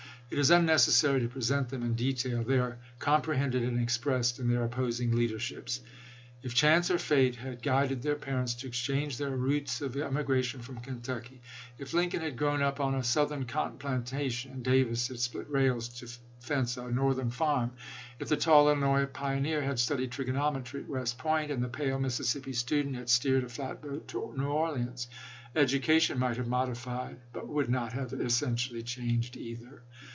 It is unnecessary to present them in detail; they are comprehended and expressed in their opposing leaderships. If chance or fate had guided their parents to exchange their routes of emigration from Kentucky ; if Lincoln had grown up on a Southern cotton plantation, and Davis had split rails to fence a Northern farm ; if the tall Illi nois pioneer had studied trigonometry at West Point, and the pale Mississippi student had steered a flat boat to New Orleans, education might have modified but would not have essentially changed either.